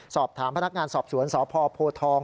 สอบถามพนักงานสอบสวนสพโพทอง